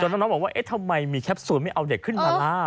จนแล้วเราบอกว่าทำไมมีแคปโซนไม่เอาเด็กขึ้นมาล่ะ